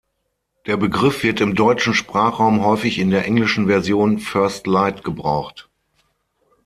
Der Begriff wird im deutschen Sprachraum häufig in der englischen Version first light gebraucht.